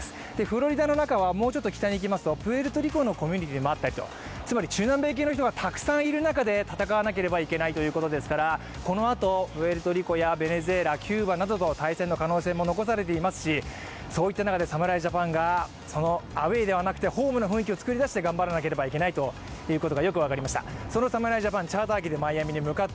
フロリダの中はもうちょっと北に行きますと、プエルトリコのコミュニティーになったりと、つまり中南米系の人がたくさんいる中で戦わなければいけないわけですから、コノアトプエルトリコやベネズエラ、キューバとの対戦も残されていますが、その中で侍ジャパンがアウェーじゃなくホームの雰囲気を作り出して頑張らなきゃいけないことになります。